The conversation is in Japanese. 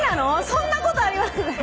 そんなことあります？